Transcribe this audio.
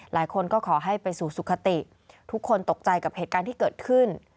หลายคนก็ขอให้ไปสู่สุขติทุกคนตกใจกับเหตุการณ์ที่เกิดขึ้น